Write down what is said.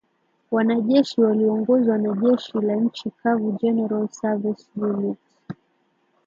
Wanajeshi waliongozwa na Jeshi la Nchi Kavu General Service Unit